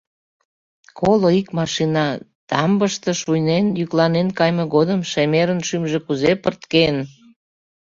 Коло ик машина, тамбыште шуйнен, йӱкланен кайыме годым шемерын шӱмжӧ кузе пырткен!